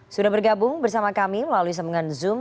sudah bergabung bersama kami melalui sambungan zoom